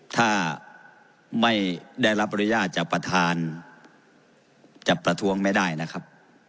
ถ้าไม่ได้รับประดับประทานจะประทวงไม่ได้นะครับ